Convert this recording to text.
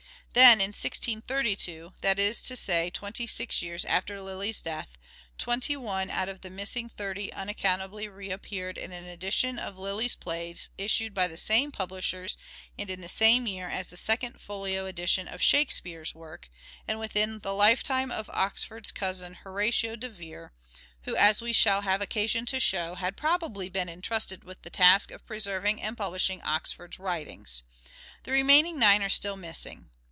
Then, in 1632, that is to say twenty six years after Lyly's death, twenty one out of the missing thirty unaccountably re appeared in an edition of Lyly's plays issued by the same publishers and in the same year as the Second Folio edition of " Shakespeare's " work, and within the lifetime of Oxford's cousin, Horatio de Vere, who, MANHOOD OF DE VERE : MIDDLE PERIOD 331 as we shall have occasion to show, had probably been entrusted with the task of preserving and publishing Oxford's writings. The remaining nine are still missing.